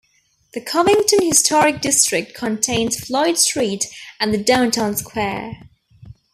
The Covington Historic District contains Floyd Street and the downtown square.